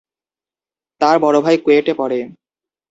তার বড় ভাই কুয়েটে পড়ে।